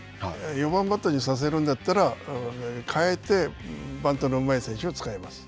４番バッターにさせるんだったら、代えて、バントのうまい選手を使います。